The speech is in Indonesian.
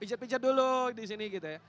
pijet pijet dulu di sini gitu ya